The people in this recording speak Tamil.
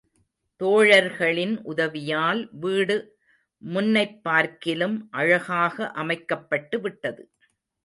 தோழர்களின் உதவியால் வீடு முன்னைப் பார்க்கிலும் அழகாக அமைக்கப்பட்டுவிட்டது.